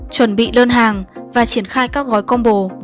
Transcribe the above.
chuẩn bị đơn hàng và triển khai các gói combo